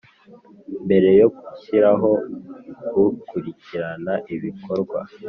Mbere yo gushyiraho ukurikirana ibikorwa